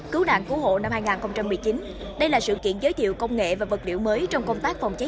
cứu nạn cứu hộ năm hai nghìn một mươi chín đây là sự kiện giới thiệu công nghệ và vật liệu mới trong công tác phòng cháy